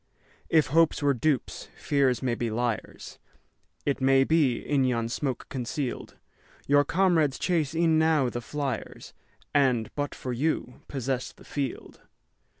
If hopes were dupes, fears may be liars; It may be, in yon smoke conceal'd, Your comrades chase e'en now the fliers, And, but for you, possess the field.